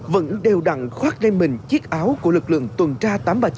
vẫn đều đặn khoát lên mình chiếc áo của lực lượng tuần tra tám nghìn ba trăm chín mươi bốn